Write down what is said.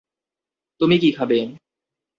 তুমি কী খাবে?